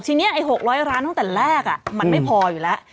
ทีเนี้ยไอ้หกร้อยล้านตั้งแต่แรกอ่ะมันไม่พออยู่แล้ว